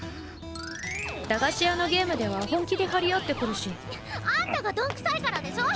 駄菓子屋のゲームでは本気で張り合ってくるしあんたが鈍臭いからでしょ！